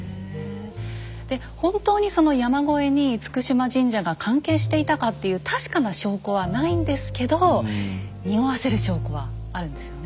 で本当にその山越えに嚴島神社が関係していたかっていう確かな証拠はないんですけどにおわせる証拠はあるんですよね。